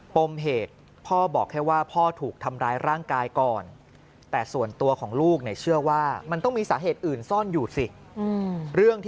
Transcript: ปมเหตุพ่อบอกให้ว่าพ่อถูกทำร้ายร่างกายก่อน